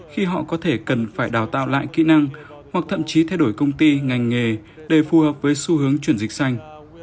khi họ có thể cần phải đào tạo lại kỹ năng hoặc thậm chí thay đổi công ty ngành nghề để phù hợp với xu hướng chuyển dịch xanh